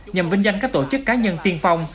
nhằm vinh danh các tổ chức cá nhân tiên phong